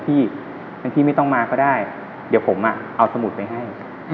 บางทีไม่ต้องมาก็ได้เดี๋ยวผมเอาสมุดไปให้